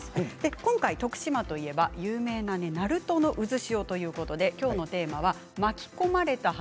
今回、徳島といえば有名な鳴門の渦潮ということできょうのテーマは巻き込まれた話。